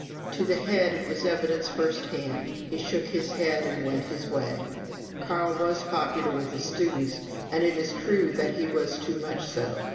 To the Head it was evidence first hand. He shook his head and went his way. Carl was popular with the students, and it is true that he was too much so.